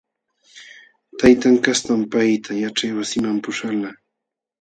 Taytan kastam payta yaćhaywasiman puhalqa.